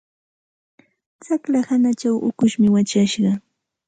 Tsaqlla hanachaw ukushmi wachashqa.